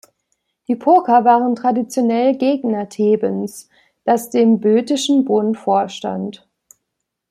Die Phoker waren traditionell Gegner Thebens, das dem Böotischen Bund vorstand.